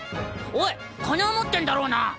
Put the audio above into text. おい金は持ってんだろうな！